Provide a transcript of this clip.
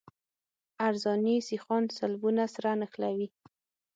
عرضاني سیخان سلبونه سره نښلوي